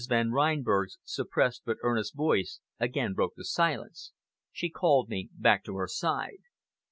Van Reinberg's suppressed but earnest voice again broke the silence. She called me back to her side.